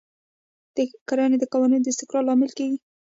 دا کړنې د قوانینو د استقرار لامل کیږي.